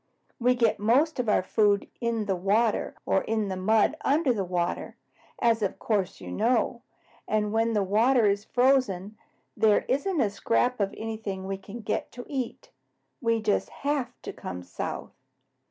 We get most of our food in the water or in the mud under the water, as of course you know, and when the water is frozen, there isn't a scrap of anything we can get to eat. We just HAVE to come south.